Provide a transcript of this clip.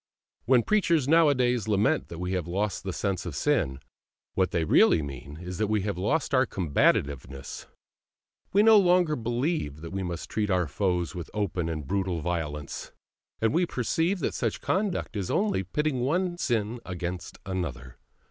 When preachers nowadays lament that we have lost the sense of sin, what they really mean is that we have lost our combativeness: we no longer believe that we must treat our foes with open and brutal violence, and we perceive that such conduct is only pitting one sin against another.